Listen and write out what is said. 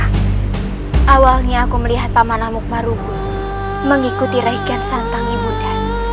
tidak awalnya aku melihat paman amuk marugul mengikuti reikan santang ibu nda